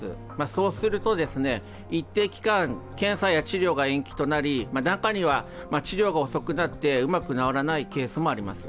そうすると、一定期間、検査や治療が延期となり中には治療が遅くなってうまく治らないケースもあります。